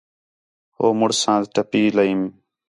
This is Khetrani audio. ہو مُݨس ساں ٹَھپّی لئیم